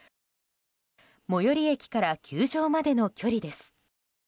最寄駅から球場までの距離です。